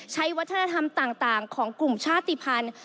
ใช้วัฒนธรรมต่างของกลุ่มชาติภัณฑ์